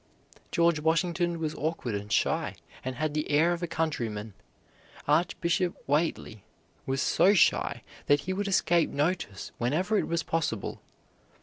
George Washington was awkward and shy and had the air of a countryman. Archbishop Whately was so shy that he would escape notice whenever it was possible.